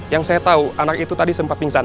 yang saya tahu anak itu tadi sempat pingsan